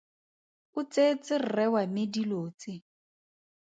O tseetse rre wa me dilo tse.